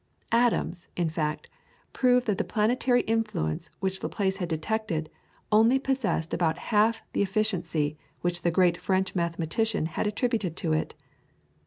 Adams, in fact, proved that the planetary influence which Laplace had detected only possessed about half the efficiency which the great French mathematician had attributed to it.